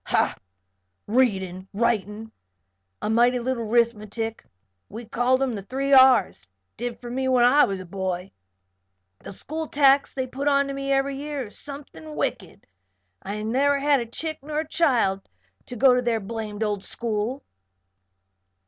"Ha! Readin', writin', an' mighty little 'rithmatic we called 'em 'the three R's ' did for me when I was a boy. The school tax they put onto me ev'ry year is something wicked. And I never had chick nor child to go to their blamed old school."